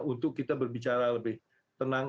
untuk kita berbicara lebih tenang